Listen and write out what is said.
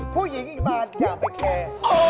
ผู้หญิงอีกบานอย่าไปแคร์